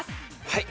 はい